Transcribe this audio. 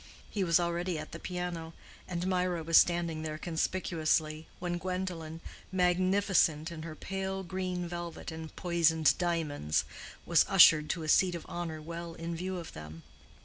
He was already at the piano, and Mirah was standing there conspicuously, when Gwendolen, magnificent in her pale green velvet and poisoned diamonds, was ushered to a seat of honor well in view of them.